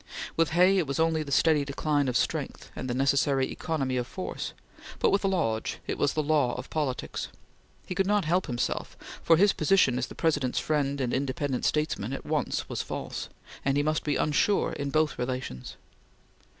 With Hay, it was only the steady decline of strength, and the necessary economy of force; but with Lodge it was law of politics. He could not help himself, for his position as the President's friend and independent statesman at once was false, and he must be unsure in both relations.